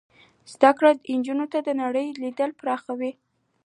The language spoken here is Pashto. زده کړه نجونو ته د نړۍ لید پراخوي.